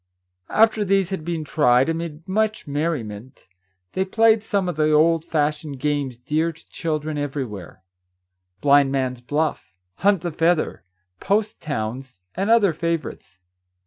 After these had been tried, amid much merriment, they played some of the old fashioned games dear to children every where, — blind man's buff, hunt the feather, post towns, and other favourites.